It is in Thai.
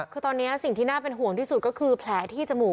คือตอนนี้สิ่งที่น่าเป็นห่วงที่สุดก็คือแผลที่จมูก